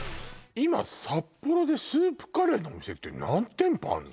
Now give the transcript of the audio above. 今札幌でスープカレーのお店って何店舗あるの？